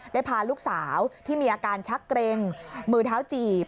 ได้พาลูกสาวที่มีอาการชักเกร็งมือเท้าจีบ